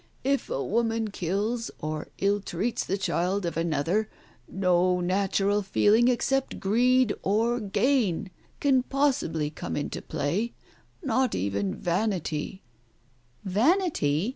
If a woman kills or ill treats the child of another, no natural feeling except greed of gain can possibly come into play, not even vanity "" Vanity